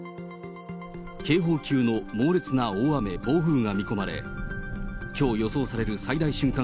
警報級の猛烈な大雨、暴風が見込まれ、きょう予想される最大瞬間